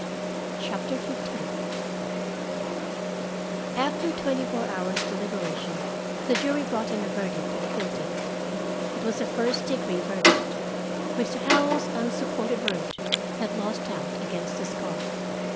CHAPTER XV After twenty four hours' deliberation, the jury brought in a verdict of guilty. It was a first degree verdict. Mr. Howell's unsupported word had lost out against a scar.